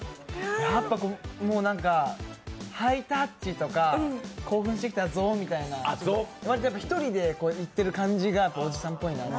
やっぱもうハイタッチとか興奮してきたゾみたいな、１人でいっている感じがおじさんっぽいなって。